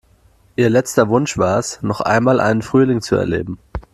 Ihr letzter Wunsch war es, noch einmal einen Frühling zu erleben.